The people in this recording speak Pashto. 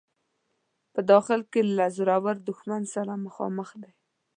په داخل کې له زورور دښمن سره مخامخ دی.